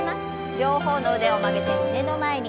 両方の腕を曲げて胸の前に。